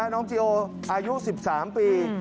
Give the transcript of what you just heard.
น้องจีโออายุ๑๓ปี